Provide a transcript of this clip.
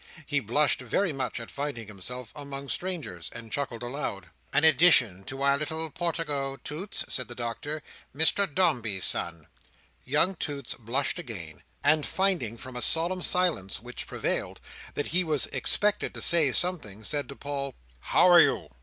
He blushed very much at finding himself among strangers, and chuckled aloud. "An addition to our little Portico, Toots," said the Doctor; "Mr Dombey's son." Young Toots blushed again; and finding, from a solemn silence which prevailed, that he was expected to say something, said to Paul, "How are you?"